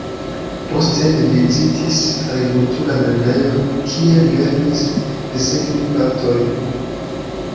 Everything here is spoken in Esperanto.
Poste li vizitis agrikulturan lernejon, kie li lernis desegni plantojn.